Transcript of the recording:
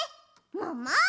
もも！